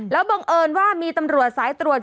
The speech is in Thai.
แล้วบังเอิญว่ามีตำรวจสายตรวจ